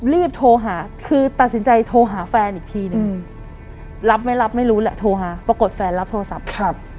รีบโทรหาคือตัดสินใจโทรหาแฟนอีกทีนึงรับไม่รับไม่รู้แหละโทรหาปรากฏแฟนรับโทรศัพท์